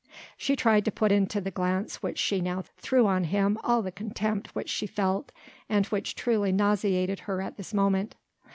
She tried to put into the glance which she now threw on him all the contempt which she felt and which truly nauseated her at this moment.